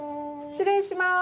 失礼します。